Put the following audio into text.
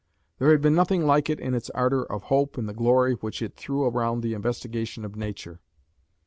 There had been nothing like it in its ardour of hope, in the glory which it threw around the investigation of nature.